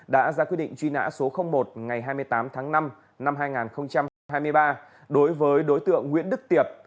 đã ra quyết định truy nã số một ngày hai mươi tám tháng năm năm hai nghìn hai mươi ba đối với đối tượng nguyễn đức tiệp